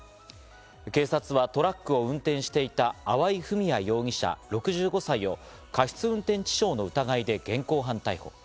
警察はトラックを運転していた粟井文哉容疑者、６５歳を過失運転致傷の疑いで現行犯逮捕。